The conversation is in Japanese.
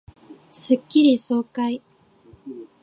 スッキリ爽快